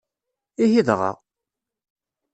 Ihi dɣa!